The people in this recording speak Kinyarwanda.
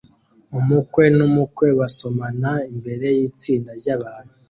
Umukwe n'umukwe basomana imbere y'itsinda ry'abantu